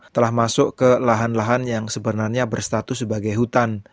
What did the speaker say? telah masuk ke lahan lahan yang sebenarnya berstatus sebagai hutan